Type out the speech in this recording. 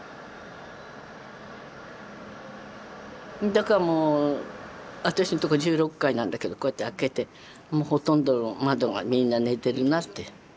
だからもう私のとこ１６階なんだけどこうやって開けてほとんど窓がみんな寝てるなって。